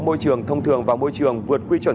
môi trường thông thường và môi trường vượt quy chuẩn